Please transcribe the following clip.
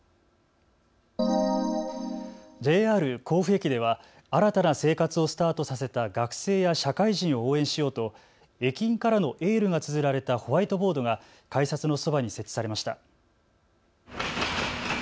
ＪＲ甲府駅では新たな生活をスタートさせた学生や社会人を応援しようと駅員からのエールがつづられたホワイトボードが改札のそばに設置されました。